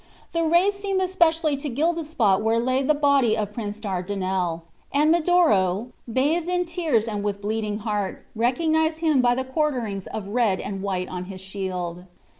The rays seemed especially to gild the spot where lay the body of Prince Dardinel; and Medoro, bathed in tears and with bleeding heart, recognized him by the quarterings of red and white on his shield.